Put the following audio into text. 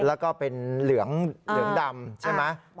แล้วก็เป็นเหลืองดำใช่ไหม